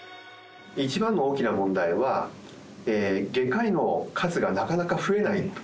一番の大きな問題は、外科医の数がなかなか増えない。